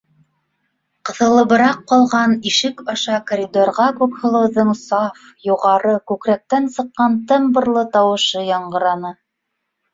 Ҡыҫылыбыраҡ ҡалған ишек аша коридорға Күкһылыуҙың саф, юғары, күкрәктән сыҡҡан тембрлы тауышы яңғыраны: